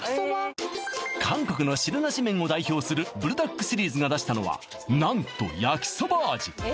韓国の汁なし麺を代表するブルダックシリーズが出したのは何と焼きそば味